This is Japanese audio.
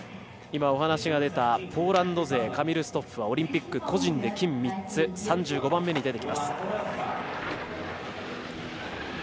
今、お話の出たポーランド勢カミル・ストッフはオリンピックで金３つ、３５番目に出てきます。